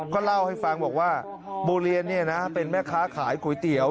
ก็เล่าให้ฟังบอกว่าบัวเรียนเป็นแม่ค้าขายก๋วยเตี๋ยว